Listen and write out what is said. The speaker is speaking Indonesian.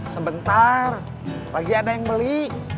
sebentar lagi ada yang beli